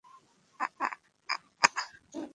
আমার যতদিন প্রাণ আছে ততদিন এ সভায় প্রজাপতির প্রবেশ নিষেধ।